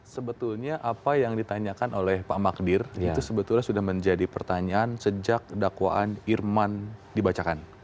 sebetulnya apa yang ditanyakan oleh pak magdir itu sebetulnya sudah menjadi pertanyaan sejak dakwaan irman dibacakan